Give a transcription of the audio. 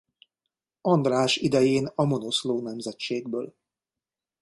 András idején a Monoszló nemzetségből.